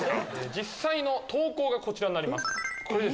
実際の投稿がこちらになります。